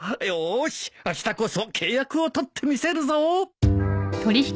よーしあしたこそ契約を取ってみせるぞ！